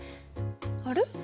あれ？